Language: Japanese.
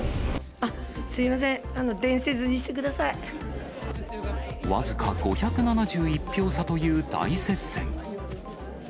あっ、すみません、伝説にし僅か５７１票差という大接戦。